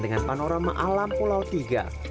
dengan panorama alam pulau tiga